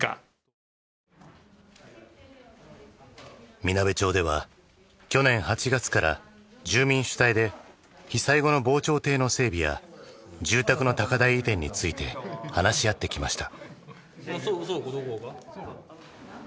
みなべ町では去年８月から住民主体で被災後の防潮堤の整備や住宅の高台移転について話し合ってきました。